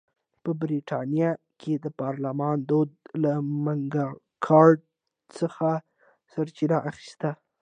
په برېټانیا کې د پارلمان دود له مګناکارتا څخه سرچینه اخیسته.